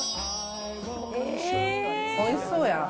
おいしそうやん。